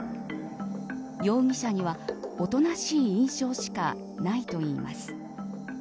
容疑者には、おとなしい印象しかないといいます。